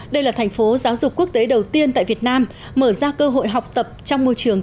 đây là thành phố giáo dục quốc tế đầu tiên tại việt nam mở ra cơ hội học tập trong môi trường